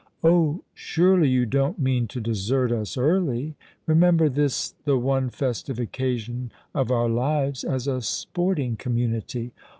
" Oh, surely, you don't mean to desert us early. Eemember this is the one festive occasion of our lives as a sporting community.